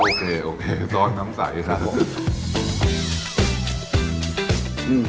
โอเคโอเคซอสน้ำใสครับผม